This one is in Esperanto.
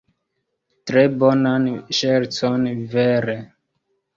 Tre bonan ŝercon, vere.